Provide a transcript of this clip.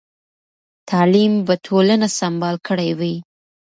تعلیم به ټولنه سمبال کړې وي.